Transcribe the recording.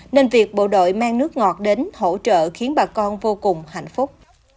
nên việc bộ đội mang nước ngọt đến hỗ trợ khiến bà con vô cùng hạnh phúc